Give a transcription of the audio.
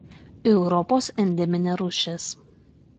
Europos endeminė rūšis.